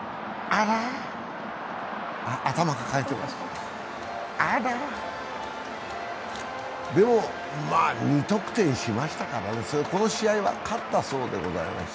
あらでも、２得点しましたから、この試合は勝ったそうです。